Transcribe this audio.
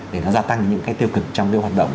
để nó gia tăng những cái tiêu cực trong cái hoạt động